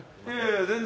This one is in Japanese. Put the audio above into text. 全然。